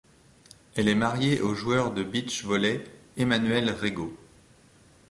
Elle est mariée au joueur de beach-volley Emanuel Rego.